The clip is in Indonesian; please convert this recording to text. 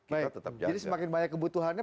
kita tetap jahat jadi semakin banyak kebutuhannya